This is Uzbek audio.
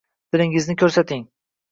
Tilingizni ko’rsating.